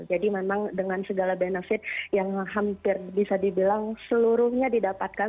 jadi memang dengan segala benefit yang hampir bisa dibilang seluruhnya didapatkan